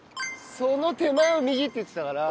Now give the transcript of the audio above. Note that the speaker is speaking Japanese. その手前を右って言ってたから。